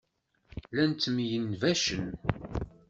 Llan ttemyenbacen.